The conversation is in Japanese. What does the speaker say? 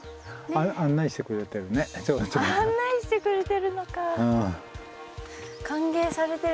案内してくれてるのか。